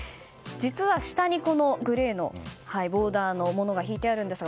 実は、下にグレーのボーダーのものが敷いてあるんですが